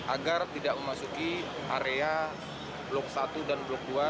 agar tidak memasuki area blok satu dan blok dua